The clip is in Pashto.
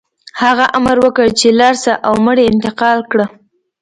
هغه امر وکړ چې لاړ شه او مړي انتقال کړه